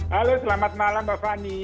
halo selamat malam mbak fani